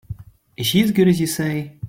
Is she as good as you say?